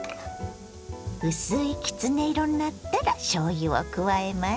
薄いきつね色になったらしょうゆを加えます。